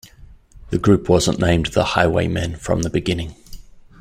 The group wasn't named "The Highwaymen" from the beginning.